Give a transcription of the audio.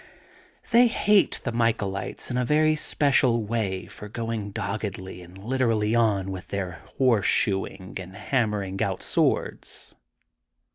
They hate the Michaelites in a very special way for going doggedly and literally on with their horseshoeing and hammering out swords.